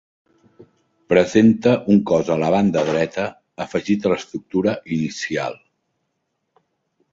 Presenta un cos a la banda dreta, afegit a l'estructura inicial.